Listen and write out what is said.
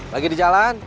lagi di jalan